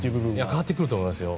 変わってくると思いますよ。